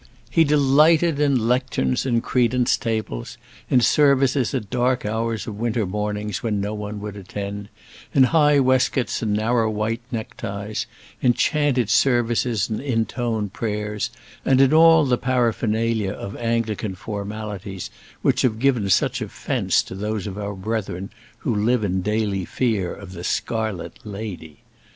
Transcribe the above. He delighted in lecterns and credence tables, in services at dark hours of winter mornings when no one would attend, in high waistcoats and narrow white neckties, in chanted services and intoned prayers, and in all the paraphernalia of Anglican formalities which have given such offence to those of our brethren who live in daily fear of the scarlet lady.